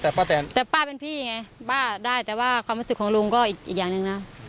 แต่ป้าแตนแต่ป้าเป็นพี่ไงป้าได้แต่ว่าความรู้สึกของลุงก็อีกอย่างหนึ่งนะ